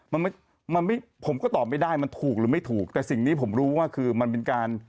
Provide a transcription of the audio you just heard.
มันไม่มันไม่ผมก็ตอบไม่ได้มันถูกหรือไม่ถูกแต่สิ่งนี้ผมรู้ว่าคือมันเป็นการ